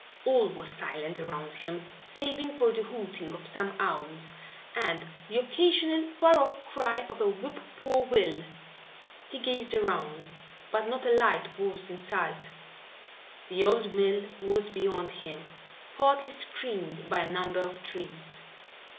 All was silent around him, saving for the hooting of some owls and the occasional far off cry of a whip poor will. He gazed around, but not a light was in sight. The old mill was beyond him, partly screened by a number of trees.